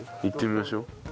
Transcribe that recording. いってみましょう。